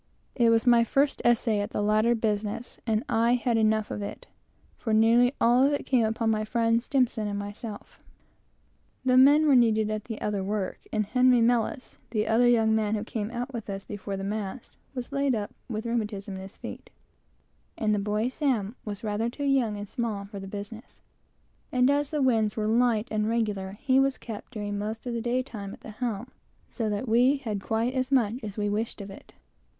This was my first essay at this latter business, and I had enough of it; for nearly all of it came upon my friend S and myself. The men were needed at the other work, and M , the other young man who came out with us, was laid up with the rheumatism in his feet, and the boy was rather too young and small for the business; and as the winds were light and regular, he was kept during most of the daytime at the helm; so that nearly all the tarring came upon us.